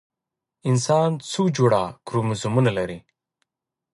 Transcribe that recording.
انسان څو جوړه کروموزومونه لري؟